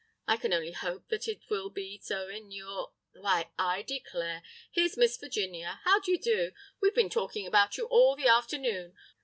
I can only hope that it will be so in your—— "Why, I declare! Here's Miss Virginia! How d'y'do? We've been talking about you all the afternoon.